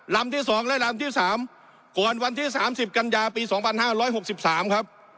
ลำที่สองและลำที่สามก่อนวันที่สามสิบกั่นยาปีสองพันห้าร้อยหกสิบสามครับ